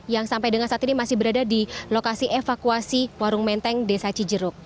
yang sampai dengan saat ini masih berada di lokasi evakuasi warung menteng desa cijeruk